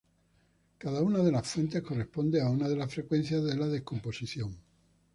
Cada una de las fuentes corresponde a una de las frecuencias de la descomposición.